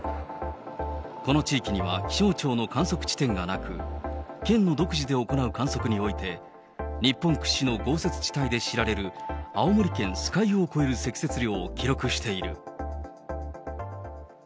この地域には、気象庁の観測地点がなく、県の独自で行う観測において、日本屈指の豪雪地帯で知られる青森県酸ヶ湯を超える積雪量を記録している。